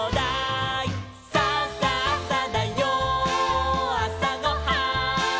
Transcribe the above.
「さあさあさだよあさごはん」